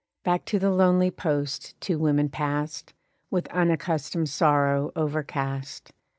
Back to the lonely post two women passed, With unaccustomed sorrow overcast.